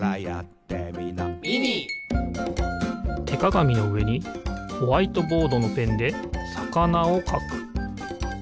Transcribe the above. てかがみのうえにホワイトボードのペンでさかなをかく。